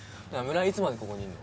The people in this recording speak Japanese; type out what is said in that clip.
いつまでここにいんの？